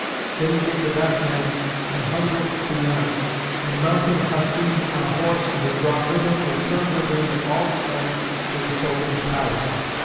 Then he gave the bathman an hundred diners and, mounting Hasib on a horse he had brought with him, returned with him and all his men to the Sultan's palace.